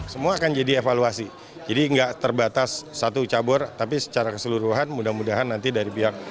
semua akan jadi evaluasi jadi enggak terbatas satu cabur tapi secara keseluruhan mudah mudahan nanti dari pihak